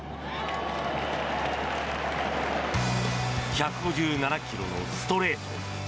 １５７ｋｍのストレート。